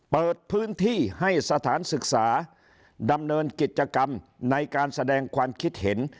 เปิดพื้นที่ให้สถานศึกษาดำเนินกิจกรรมในการแสดงความคิดเห็น